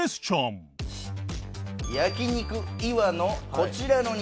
「焼肉ＩＷＡのこちらの肉」